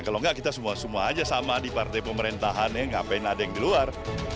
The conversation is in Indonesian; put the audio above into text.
kalau enggak kita semua semua aja sama di partai pemerintahannya ngapain ada yang di luar